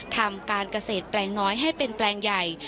ทำการเกษตรแปลงน้อยให้เป็นแปลงใหญ่